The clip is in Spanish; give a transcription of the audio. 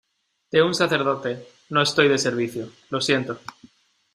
de un sacerdote, no estoy de servicio. lo siento .